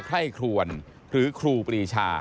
ไร่ครวนหรือครูปรีชา